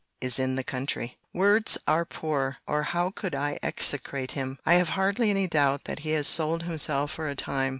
is in the country. Words are poor!—or how could I execrate him! I have hardly any doubt that he has sold himself for a time.